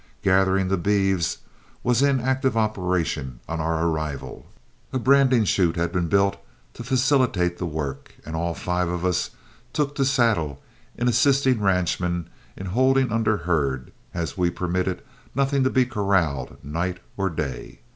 Gathering the beeves was in active operation on our arrival, a branding chute had been built to facilitate the work, and all five of us took to the saddle in assisting ranchmen in holding under herd, as we permitted nothing to be corralled night or day.